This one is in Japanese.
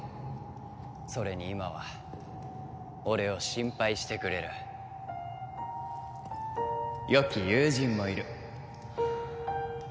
それに今は俺を心配してくれる良き友人もいる。